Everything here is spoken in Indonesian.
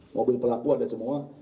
mobil pelaku ada semua